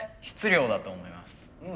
質量だと思います。